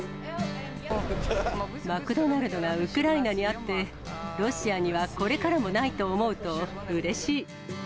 マクドナルドがウクライナにあって、ロシアにはこれからもないと思うと、うれしい。